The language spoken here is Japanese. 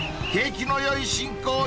景気のよい進行